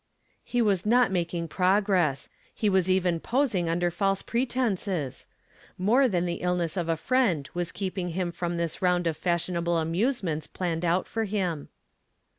He was not making progress. He was even posing under false pretences! More than the illness of a friend was keeping him from this round of fashionable amusements planned out for him.